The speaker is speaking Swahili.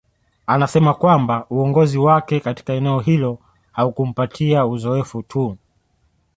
Anasema kwamba uongozi wake katika eneo hilo haukumpatia uzoefu tu